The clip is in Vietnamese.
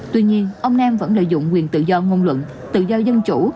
tuy nhiên ông nam vẫn lợi dụng quyền tự do ngôn luận tự do dân chủ